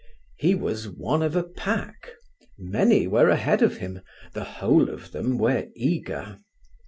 He was one of a pack; many were ahead of him, the whole of them were eager.